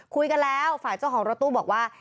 คุยกันแล้วฝ่ายเจ้าของรถตู้บอกว่า